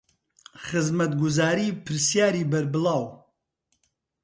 خزمەتگوزارى پرسیارى بەربڵاو